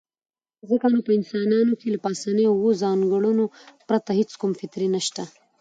ځکه نو په انسانانو کې له پاسنيو اووو ځانګړنو پرته هېڅ هم فطري نشته.